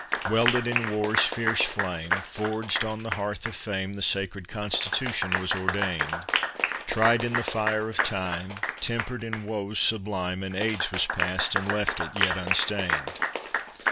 Welded in war's fierce flame, Forged on the hearth of fame, The sacred Constitution was ordained; Tried in the fire of time, Tempered in woes sublime, An age was passed and left it yet unstained.